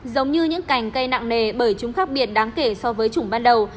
giống như những cành cây nặng nề bởi chúng khác biệt đáng kể so với chủng ban đầu